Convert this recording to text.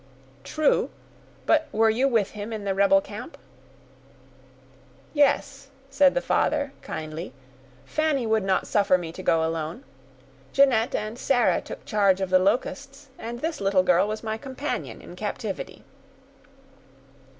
"True; but were you with him in the rebel camp?" "Yes," said the father, kindly; "Fanny would not suffer me to go alone. Jeanette and Sarah took charge of the Locusts, and this little girl was my companion, in captivity."